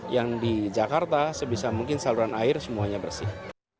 yang di jakarta sebisa mungkin saluran air semuanya bersih